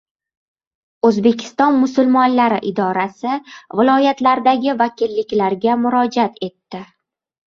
O‘zbekiston musulmonlari idorasining viloyatlardagi vakilliklarga murojaat etdi